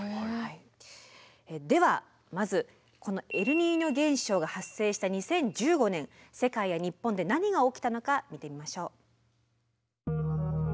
ではまずこのエルニーニョ現象が発生した２０１５年世界や日本で何が起きたのか見てみましょう。